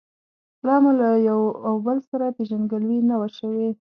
لا مو له یو او بل سره پېژندګلوي نه وه شوې.